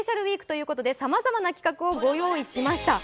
ＷＥＥＫということでさまざまな企画をご用意しました。